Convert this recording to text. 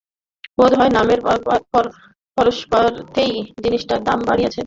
বোধ হয় নামের পরশপাথরেই জিনিসটার দাম বাড়িয়েছে।